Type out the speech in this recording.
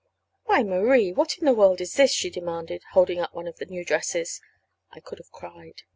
"Why, Marie, what in the world is this?" she demanded, holding up one of the new dresses. I could have cried.